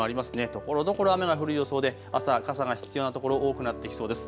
ところどころ雨が降る予想であすは傘が必要な所、多くなってきそうです。